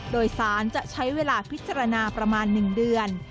โดยสารจะใช้เวลาพิจารณาประมาณ๑เดือน